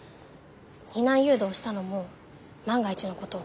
避難誘導をしたのも万が一のことを考えて。